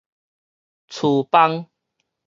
跙枋